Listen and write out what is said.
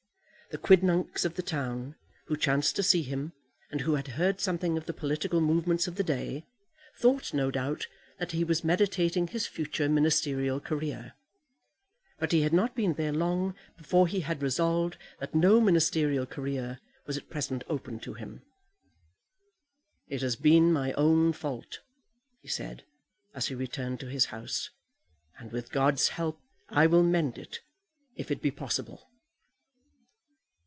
The quidnuncs of the town, who chanced to see him, and who had heard something of the political movements of the day, thought, no doubt, that he was meditating his future ministerial career. But he had not been there long before he had resolved that no ministerial career was at present open to him. "It has been my own fault," he said, as he returned to his house, "and with God's help I will mend it, if it be possible."